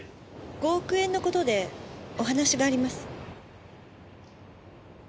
５億円のことでお話があります。